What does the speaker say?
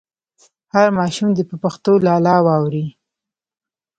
هر ماشوم دې په پښتو لالا واوري.